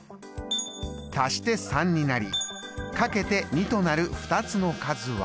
足して３になりかけて２となる２つの数は。